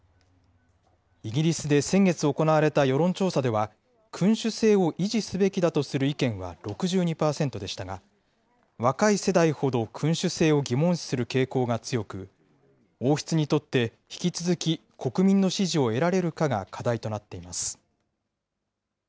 イギリスで先月行われた世論調査では、君主制を維持すべきだとする意見は６２％でしたが、若い世代ほど君主制を疑問視する傾向が強く、王室にとって引き続き国民の支持を得られるかが課題となっています。